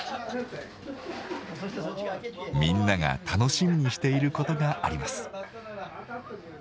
みんなが楽しみにしていることがあります。